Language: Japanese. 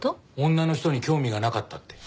女の人に興味がなかったって。